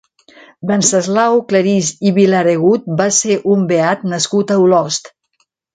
Venceslau Clarís i Vilaregut va ser un beat nascut a Olost.